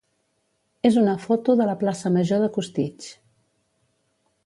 és una foto de la plaça major de Costitx.